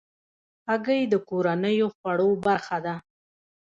هګۍ د کورنیو خوړو برخه ده.